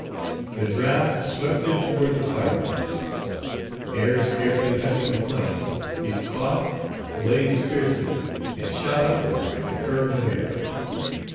The draught swept it toward the fireplace. Ere scarcely touching the flames it caught, blazed fiercely, and shot upward with the current of air.